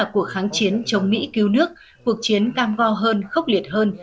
cuộc kháng chiến chống mỹ cứu nước cuộc chiến cam vo hơn khốc liệt hơn